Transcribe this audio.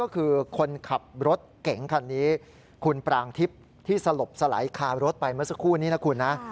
คือคนขับรถเก๋งคันนี้คุณปรางทิพย์ที่สลบสลายคารถไปเมื่อสักครู่นี้นะคุณนะ